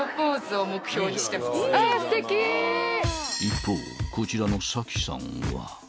［一方こちらのさきさんは］